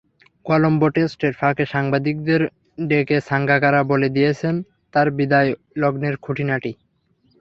কলম্বো টেস্টের ফাঁকে সাংবাদিকদের ডেকে সাঙ্গাকারা বলে দিয়েছেন তাঁর বিদায় লগ্নের খুঁটিনাটি।